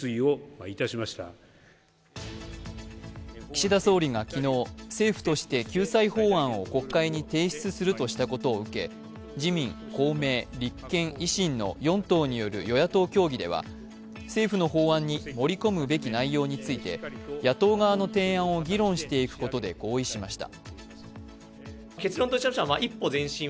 岸田総理が昨日、政府として救済法案を国会に提出するとしたことを受け自民・公明・立憲・維新の４党による与野党協議では政府の法案に盛り込むべき内容について野党側の提案を議論していくことで合意しました。